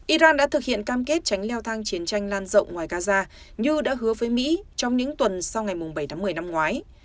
iran đã thực hiện cam kết tránh leo thang chiến tranh lan rộng ngoài gaza như đã hứa với mỹ trong những tuần sau ngày bảy tháng một mươi năm ngoái